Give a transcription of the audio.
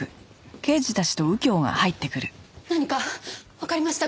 何かわかりましたか？